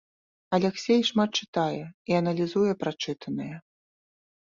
Аляксей шмат чытае і аналізуе прачытанае.